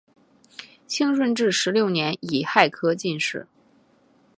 清顺治十六年己亥科进士。